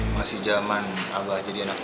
masih zaman abah jadi anak